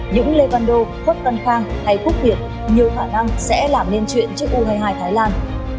những levando khuất tân khang hay quốc việt nhiều khả năng sẽ làm nên chuyện trước u hai mươi hai thái lan